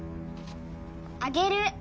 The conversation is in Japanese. あげる！